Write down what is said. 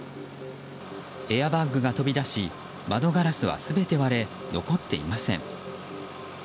エアバッグが飛び出し窓ガラスは全て割れ残っていません。